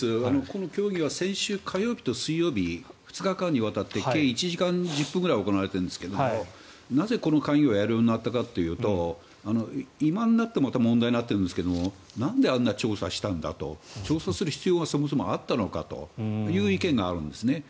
この協議は先週火曜日と水曜日２日間にわたって計１時間１０分ぐらい行われていたんですがなぜ、この会議をやるようになったかというと今になってまた問題になっているんですがなんで、あんな調査をしたんだとする必要がそもそもあったのかという意見があったんですね。